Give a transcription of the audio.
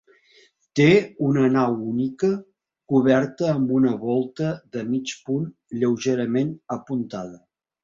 Té una nau única, coberta amb una volta de mig punt lleugerament apuntada.